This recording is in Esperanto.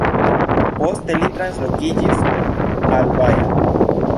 Poste li translokiĝis al Baja.